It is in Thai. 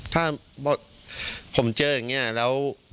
ถ้าผมเจออย่างนี้แล้ว